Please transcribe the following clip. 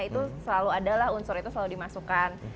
bukan itu adalah unsur itu selalu dimasukkan